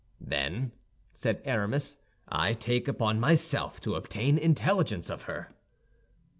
"Then," said Aramis, "I take upon myself to obtain intelligence of her."